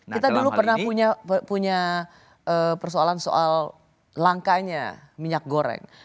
kita dulu pernah punya persoalan soal langkanya minyak goreng